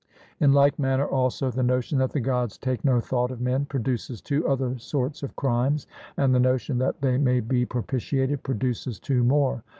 In like manner also the notion that the Gods take no thought of men produces two other sorts of crimes, and the notion that they may be propitiated produces two more.